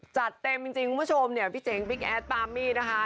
จัดเต็มจริงคุณผู้ชมเนี่ยพี่เจ๋งบิ๊กแอดปามมี่นะคะ